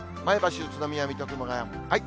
前橋、宇都宮、水戸、熊谷。